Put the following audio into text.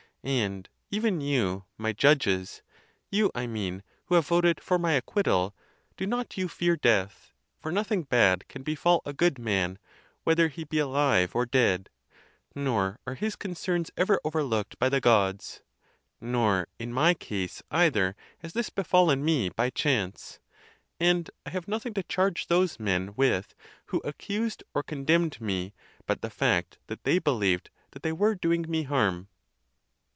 And even you, my judges, you, I mean, who have voted for my acquittal, do not you fear death, for nothing bad can befall a good man, whether he be alive or dead; nor are his concerns ever overlooked by the Gods; nor in my case either has this befallen me by chance; and I have nothing to charge those men with who accused or condemned me but the fact that they believed that they were doing me harm."